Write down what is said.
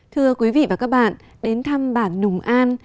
thưa quý vị và các bạn đến thăm bản nùng an